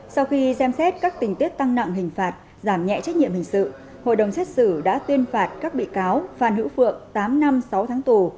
sau khi xem xét các tình tiết tăng nặng hình phạt giảm nhẹ trách nhiệm hình sự hội đồng xét xử đã tuyên phạt các bị cáo phan hữu phượng tám năm sáu tháng tù